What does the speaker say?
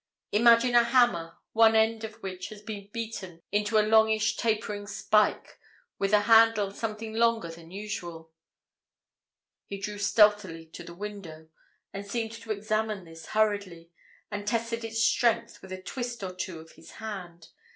Imagine a hammer, one end of which had been beaten out into a longish tapering spike, with a handle something longer than usual. He drew stealthily to the window, and seemed to examine this hurriedly, and tested its strength with a twist or two of his hand.